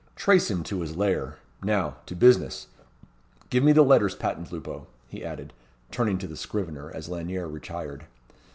Trace him to his lair. Now to business. Give me the letters patent, Lupo," he added, turning to the scrivener, as Lanyere retired.